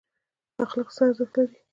اخلاق څه ارزښت لري؟